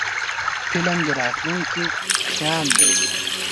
فلم د راتلونکي خیال دی